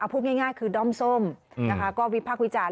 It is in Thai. พูดง่ายคือด้อมส้มก็วิพากษ์วิจารณ